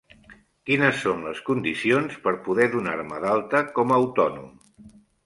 Quines són les condicions per poder donar-me d'alta com a autònom?